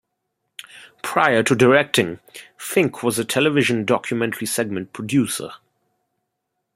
Prior to directing, Fink was a television documentary-segment producer.